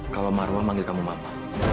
kalau marwah manggil kamu mama